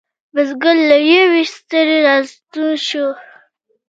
بزگر له یویې ستړی را ستون شو.